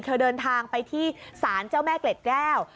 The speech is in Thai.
เธอเดินทางไปที่ศาลเจ้าแม่เกล็ดแก้ว